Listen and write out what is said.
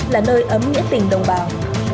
là nơi ấm nghĩa tình đồng bào